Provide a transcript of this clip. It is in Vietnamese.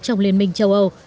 trong liên minh châu âu